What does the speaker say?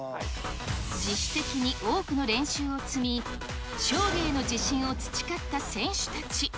自主的に多くの練習を積み、勝利への自信を培った選手たち。